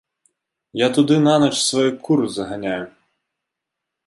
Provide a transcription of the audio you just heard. Я туды нанач свае куры заганяю.